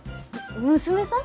娘さん？